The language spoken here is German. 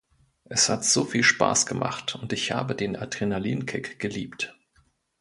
Es hat so viel Spaß gemacht und ich habe den Adrenalinkick geliebt.